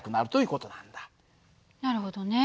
なるほどね。